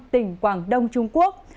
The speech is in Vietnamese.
tỉnh quảng đông trung quốc